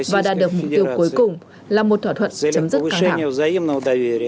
và đạt được mục tiêu cuối cùng là một thỏa thuận chấm dứt càng đẳng